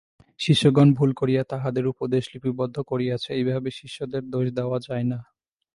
শিষ্যগণ ভুল করিয়া তাঁহাদের উপদেশ লিপিবদ্ধ করিয়াছে, এইভাবে শিষ্যদের দোষ দেওয়া যায় না।